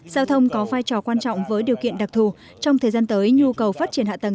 giao thông có vai trò quan trọng với điều kiện đặc thù trong thời gian tới nhu cầu phát triển hạ tầng